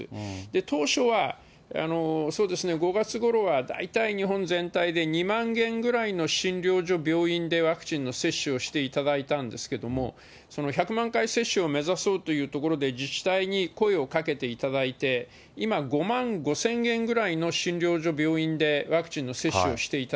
当初はそうですね、５月ごろは大体日本全体で２万軒ぐらいの診療所、病院でワクチンの接種をしていただいたんですけれども、１００万回接種を目指そうというところで自治体に声をかけていただいて、今、５万５０００軒くらいの診療所、病院でワクチンの接種をしていた